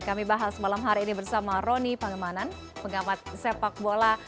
kami bahas malam hari ini bersama roni pangemanan pengamat sepak bola